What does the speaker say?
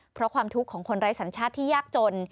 เพราะความทุกข์ของคนไร้สัญชาติที่ยากจน